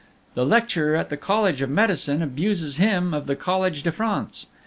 The lecturer at the College of Medicine abuses him of the College de France.